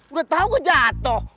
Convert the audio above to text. udah tau gue jatuh